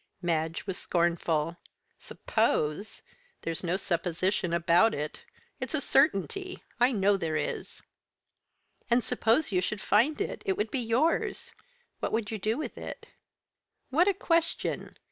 Madge was scornful. "Suppose! there's no supposition about it. It's a certainty, I know there is." "And suppose you should find it it would be yours. What would you do with it?" "What a question!